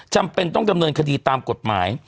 จำเป็นต้องดำเนินคดีตามกฎหมาย